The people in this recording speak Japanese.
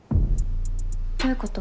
どういうこと？